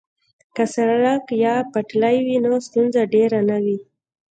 که سړک یا پټلۍ وي نو ستونزه ډیره نه وي